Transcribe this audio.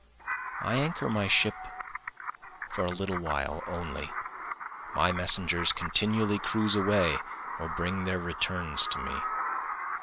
I anchor my ship for a little while only, My messengers continually cruise away or bring their returns to me.